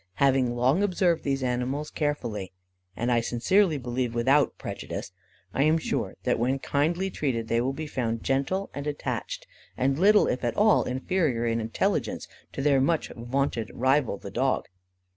Having long observed these animals carefully, and, I sincerely believe, without prejudice, I am sure that when kindly treated they will be found gentle and attached, and little, if at all, inferior in intelligence to their much vaunted rival, the dog.